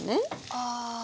ああ。